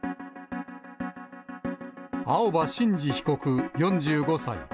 青葉真司被告４５歳。